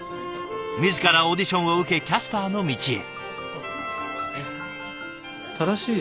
自らオーディションを受けキャスターの道へ。